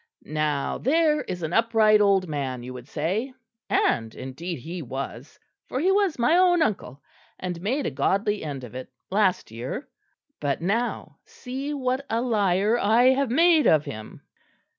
"Now there is an upright old man you would say; and indeed he was, for he was my own uncle, and made a godly end of it last year. But now see what a liar I have made of him!"